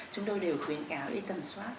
chúng tôi đều khuyến cáo đi tầm soát